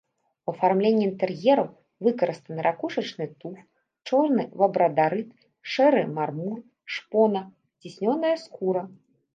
У афармленні інтэр'ераў выкарыстаны ракушачны туф, чорны лабрадарыт, шэры мармур, шпона, ціснёная скура.